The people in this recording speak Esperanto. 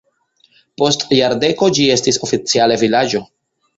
Post jardeko ĝi estis oficiale vilaĝo.